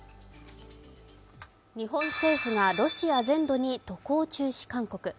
日本政府がロシア全土に渡航中止勧告。